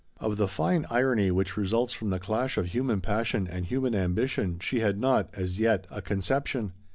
Of the fine irony which results from the clash of human passion and human ambition she had not, as yet, a conception.